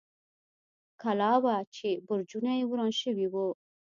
کلا وه، چې برجونه یې وران شوي و.